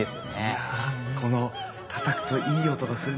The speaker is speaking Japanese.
いやぁこのたたくといい音がするんですよね。